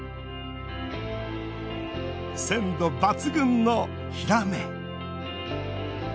鮮度抜群のヒラメ。